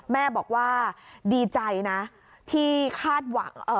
แม่บอกว่าดีใจนะที่คาดหวัง